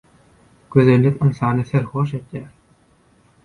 Gözellik ynsany serhoş edýär.